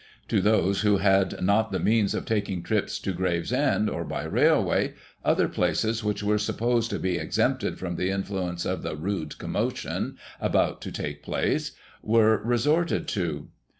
To those who had not the means of taking trips to Gravesend, or by railway, other places which were supposed to be exempted from the influence of the *rude commotion' about to take place, were resorted to.